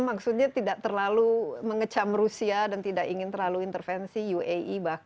maksudnya tidak terlalu mengecam rusia dan tidak ingin terlalu intervensi uae